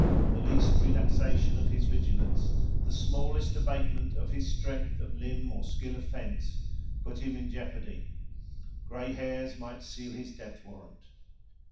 The least relaxation of his vigilance, the smallest abatement of his strength of limb or skill of fence, put him in jeopardy; grey hairs might seal his death warrant.